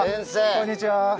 こんにちは。